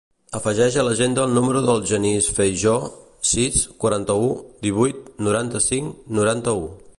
Afegeix a l'agenda el número del Genís Feijoo: sis, quaranta-u, divuit, noranta-cinc, noranta-u.